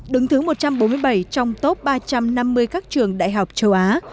đứng thứ một trăm bốn mươi bảy trong top ba trăm năm mươi các trường đại học châu á